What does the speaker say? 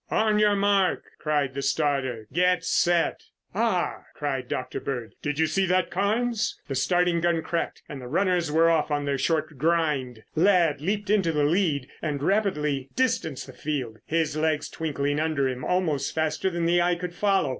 "On your mark!" cried the starter. "Get set!" "Ah!" cried Dr. Bird. "Did you see that Carnes?" The starting gun cracked and the runners were off on their short grind. Ladd leaped into the lead and rapidly distanced the field, his legs twinkling under him almost faster than the eye could follow.